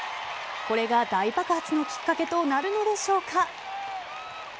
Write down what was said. これが大爆発のきっかけとなるのでしょうか。